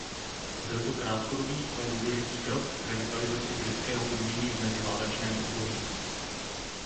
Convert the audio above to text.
Byl to krátkodobý ale důležitý krok k revitalizaci britského umění v meziválečném období.